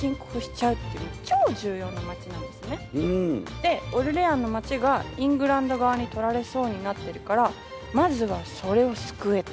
でオルレアンの街がイングランド側に取られそうになってるからまずはそれを救えと。